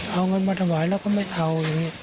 เอาเงินมาถวายแล้วก็ไม่เอา